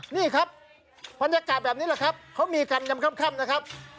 นี่ครับบรรยากาศแบบนี้แหละครับเขามีกันยำค่ำนะครับ